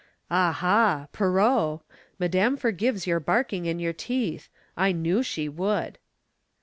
Ah, ha, Pierrot, Madame forgives your barking and your teeth; I knew she would.